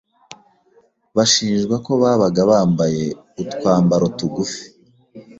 bashinjwa ko babaga bambaye utwambaro tugufi,